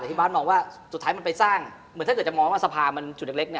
หมายถึงว่ามันไปสร้างถ้าเกิดจะมองว่าสภามันจุดเล็ก